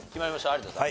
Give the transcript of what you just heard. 有田さん。